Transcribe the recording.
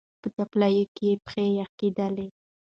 په څپلیو کي یې پښې یخی کېدلې